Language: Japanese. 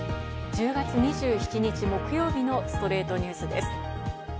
１０月２７日、木曜日の『ストレイトニュース』です。